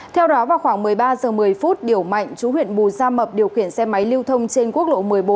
theo đó vào khoảng một mươi ba h một mươi phút điểu mạnh chú huyện bù gia mập điều khiển xe máy lưu thông trên quốc lộ một mươi bốn